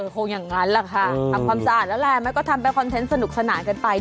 คงอย่างนั้นแหละค่ะทำความสะอาดแล้วแหละมันก็ทำไปคอนเทนต์สนุกสนานกันไป